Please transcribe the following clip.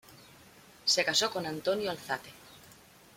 Se casó con Antonio Alzate.